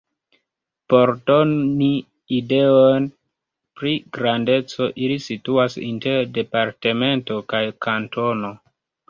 Por doni ideon pri grandeco, ili situas inter departemento kaj kantono.